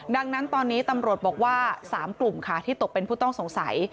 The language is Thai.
ดังนั้นตอนนี้ตำรวจบอกว่า๓กลุ่มค่ะที่ตกเป็นผู้ต้องสงสัย